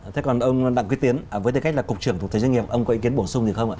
thế còn ông đặng quý tiến với tên cách là cục trưởng thủ tướng doanh nghiệp ông có ý kiến bổ sung gì không ạ